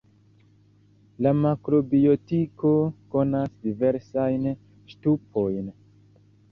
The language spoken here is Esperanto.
La makrobiotiko konas diversajn ŝtupojn.